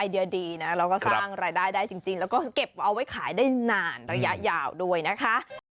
เดียดีนะเราก็สร้างรายได้ได้จริงแล้วก็เก็บเอาไว้ขายได้นานระยะยาวด้วยนะคะ